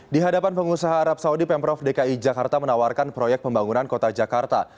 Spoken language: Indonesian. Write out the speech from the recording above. di hadapan pengusaha arab saudi pemprov dki jakarta menawarkan proyek pembangunan kota jakarta